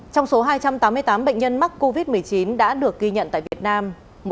trong số hai trăm tám mươi tám bệnh nhân mắc covid một mươi chín đã được ghi nhận tại việt nam